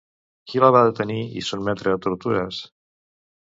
Qui la va detenir i sotmetre a tortures?